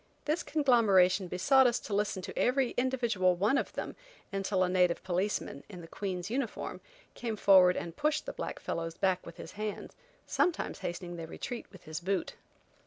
This conglomeration besought us to listen to every individual one of them until a native policeman, in the Queen's uniform, came forward and pushed the black fellows back with his hands, sometimes hastening their retreat with his boot.